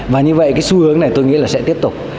và như vậy cái xu hướng này tôi nghĩ là sẽ tiếp tục